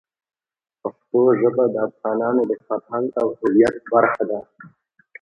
پښتو ژبه د افغانانو د فرهنګ او هویت برخه ده.